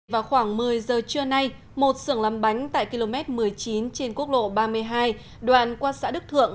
vào khoảng một mươi giờ trưa nay một sưởng làm bánh tại km một mươi chín trên quốc lộ ba mươi hai đoạn qua xã đức thượng